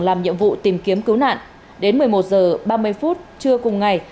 làm nhiệm vụ tìm kiếm cứu nạn đến một mươi một h ba mươi phút trưa cùng ngày